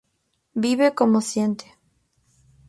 Vive como siente.